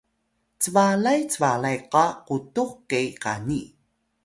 cbalay cbalay qa qutux ke qani